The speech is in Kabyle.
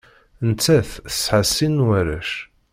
Nettat tesɛa sin n warrac.